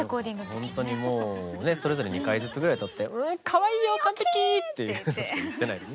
ほんとにもうそれぞれ２回ずつぐらい歌って「かわいいよ完璧！」っていうことしか言ってないです。